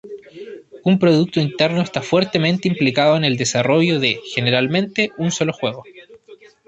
Un productor interno está fuertemente implicado en el desarrollo de, generalmente, un solo juego.